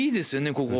ここ。